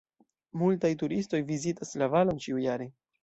Multaj turistoj vizitas la valon ĉiujare.